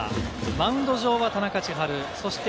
マウンド上は田中千晴。